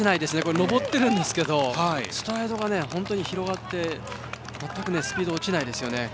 上ってるんですけどストライドが本当に広がって全くスピード落ちないですよね。